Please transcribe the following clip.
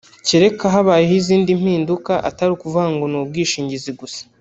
kereka habayeho izindi mpinduka atari ukuvuga ngo ni ubwishingizi gusa